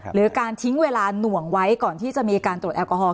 หรือการทิ้งเวลาหน่วงไว้ก่อนที่จะมีการตรวจแอลกอฮอล